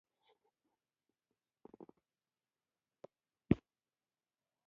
افغانستان يو لرغونی تاريخ لري